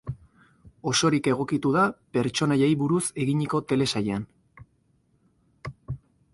Osorik egokitu da pertsonaiei buruz eginiko telesailean.